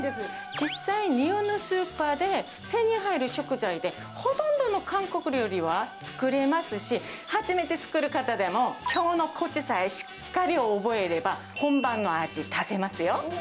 実際、日本のスーパーで手に入る食材で、ほとんどの韓国料理は作れますし、初めて作る方でも、きょうのこつさえしっかり覚えれば本場の味、出せますよ。